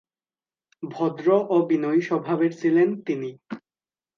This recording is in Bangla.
ভদ্র ও বিনয়ী স্বভাবের ছিলেন তিনি।